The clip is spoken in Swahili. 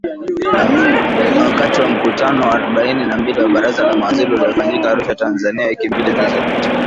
Wakati wa mkutano wa arobaini na mbili wa Baraza la Mawaziri uliofanyika Arusha, Tanzania wiki mbili zilizopita.